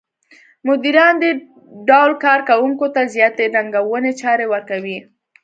مديران دې ډول کار کوونکو ته زیاتې ننګوونکې چارې ورکوي.